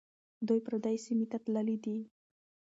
دوی پردي سیمې ته تللي دي.